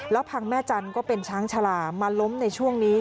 แล้วพังแม่จันทร์ก็เป็นช้างชาลามาล้มในช่วงนี้